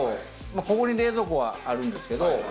ここに冷蔵庫はあるんですけど。